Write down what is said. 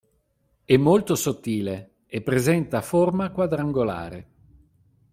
È molto sottile e presenta forma quadrangolare.